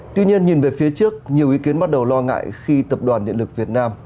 tuy nhiên nhìn về phía trước nhiều ý kiến bắt đầu lo ngại khi tập đoàn điện lực việt nam